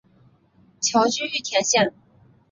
侨居玉田县。